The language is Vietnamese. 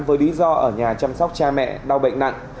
với lý do ở nhà chăm sóc cha mẹ đau bệnh nặng